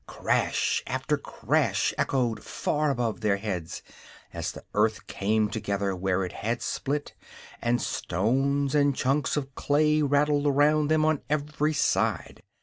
Crash after crash echoed far above their heads, as the earth came together where it had split, and stones and chunks of clay rattled around them on every side.